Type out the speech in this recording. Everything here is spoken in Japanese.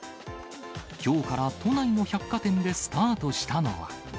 きょうから都内の百貨店でスタートしたのは。